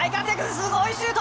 すごいシュート！